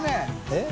えっ？